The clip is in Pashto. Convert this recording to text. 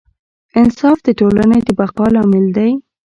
انصاف د ټولنې د بقا لامل دی.